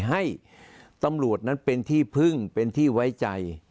ให้ตำรวจนั้นเป็นที่พึ่งเป็นที่ไว้ใจ